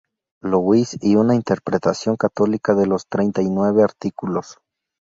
Louis y una interpretación católica de los Treinta y Nueve Artículos.